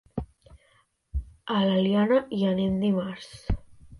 A l'Eliana hi anem dimarts.